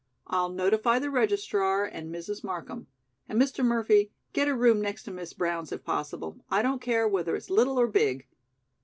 I'll notify the registrar and Mrs. Markham. And Mr. Murphy, get a room next to Miss Brown's, if possible. I don't care whether it's little or big."